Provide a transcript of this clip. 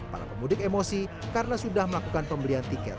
para pemudik emosi karena sudah melakukan pembelian tiket